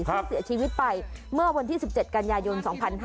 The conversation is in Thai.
ซึ่งเสียชีวิตไปเมื่อวันที่๑๗กันยายน๒๕๕๙